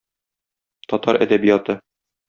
Татар әдәбияты.